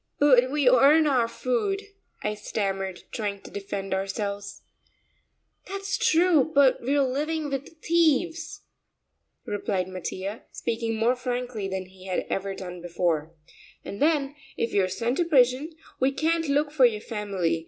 "But we earn our food," I stammered, trying to defend ourselves. "That's true, but we're living with thieves," replied Mattia, speaking more frankly than he had ever done before, "and then if we're sent to prison, we can't look for your family.